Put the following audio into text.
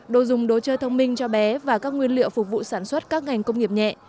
đồ dùng đồ chơi thông minh cho bé và các nguyên liệu phục vụ sản xuất các ngành công nghiệp nhẹ